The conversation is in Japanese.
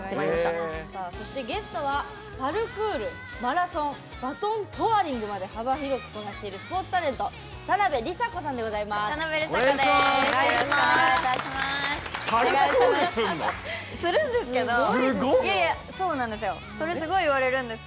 ゲストはパルクールマラソンバトントワリングまで幅広くこなしているスポーツタレント田辺莉咲子さんでございます。